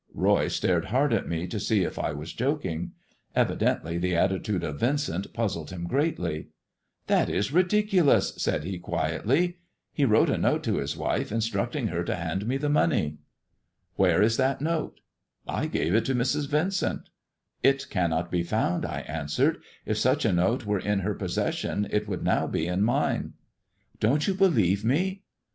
Roy stared hard at me to see if I were joking. Evi dently the attitude of Yincent puzzled him greatly. That is ridiculous," said he quietly ;" he wi*ote a note to his wife instructing her to hand me the money." 266 THE GREEN STONE GOD AND THE STOCKBROKER " Where is that note 1 "" I gave it to Mrs. Vincent." " It cannot be found," I answered ;" if such a note weie in her possession it would now be in mine." Don't you believe me?"